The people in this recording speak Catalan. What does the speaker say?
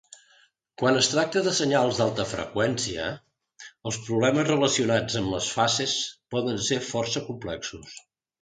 Quan es tracta de senyals d'alta freqüència, els problemes relacionats amb les fases poden ser força complexos.